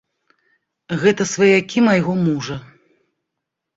Гэта сваякі майго мужа.